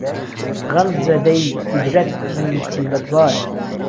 غهم زهدهی هیجرهت، من موسیبهتبارم